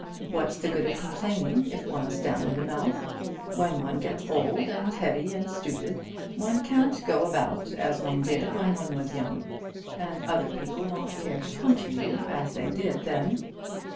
What's the good of complaining if one's down in the mouth? When one gets old and heavy and stupid, one can't go about as one did when one was young; and other people won't care to come to you as they did then."